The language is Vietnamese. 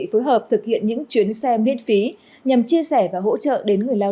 phối hợp thực hiện những chuyến xe miết phí nhằm chia sẻ và hỗ trợ đến người leo